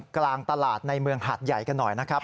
กลางตลาดในเมืองหาดใหญ่กันหน่อยนะครับ